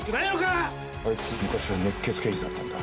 あいつ昔は熱血刑事だったんだ。